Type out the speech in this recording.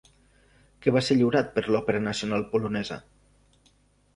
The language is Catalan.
Què va ser lliurat per l'Òpera Nacional Polonesa?